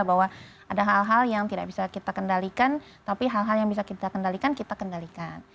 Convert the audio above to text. bahwa ada hal hal yang tidak bisa kita kendalikan tapi hal hal yang bisa kita kendalikan kita kendalikan